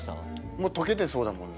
もう溶けてそうだもんな。